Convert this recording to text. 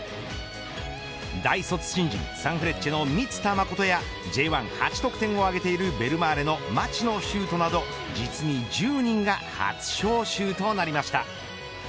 大卒新人サンフレッチェの満田誠やＪ‐１、８得点を挙げているベルマーレの町野修斗など実に１０人が初招集となりました。